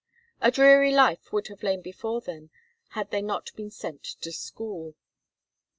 A dreary life would have lain before them had they not been sent to school.